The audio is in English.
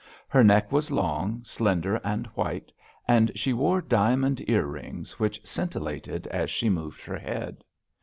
Her neck was long, slender and white, and she wore diamond ear rings, which scintillated as she moved her head.